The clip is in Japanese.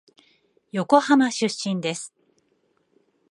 横浜出身です。